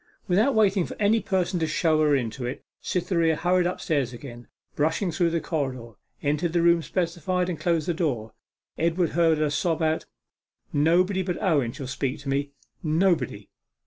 Without waiting for any person to show her into it, Cytherea hurried upstairs again, brushed through the corridor, entered the room specified, and closed the door. Edward heard her sob out 'Nobody but Owen shall speak to me nobody!